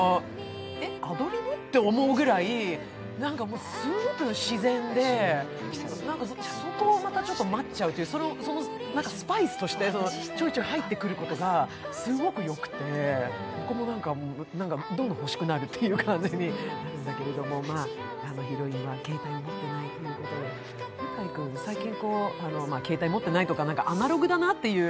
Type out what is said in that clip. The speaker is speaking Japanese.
アドリブ？って思うぐらい、全てが自然でそこをまたちょっと待っちゃうスパイスとしてちょいちょい入ってくることがすごくよくて、ここもなんか、どんどん欲しくなるっていう感じになるんだけれど、ヒロインが携帯を持っていないということで、向井君、最近、携帯持っていないとか「アナログ」だなっていう。